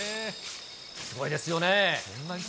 すごいですよね。